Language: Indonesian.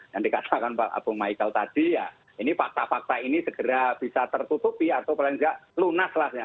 yang dikatakan pak apung michael tadi ya ini fakta fakta ini segera bisa tertutupi atau paling tidak lunas lah